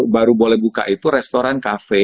baru boleh buka itu restoran kafe